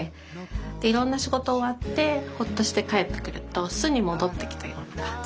でいろんな仕事終わってほっとして帰ってくると巣に戻ってきたような感じ。